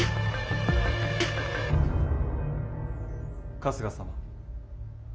・春日様。